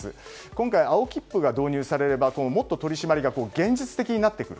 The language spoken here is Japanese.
今回、青切符が導入されればもっと取り締まりが現実的になってくる。